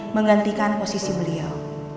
menggantikan posisi beliau